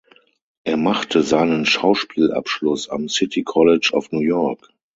Er machte seinen Schauspiel-Abschluss am City College of New York.